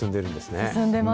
進んでます。